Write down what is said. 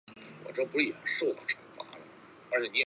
在礁群与海岸之间是一条极方便的交通海路。